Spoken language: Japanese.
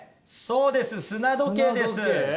そうです砂時計です。